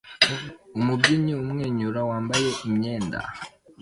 Umubyinnyi umwenyura wambaye imyenda